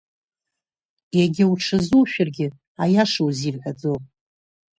Егьа уҽазушәаргьы, аиаша узирҳәаӡом.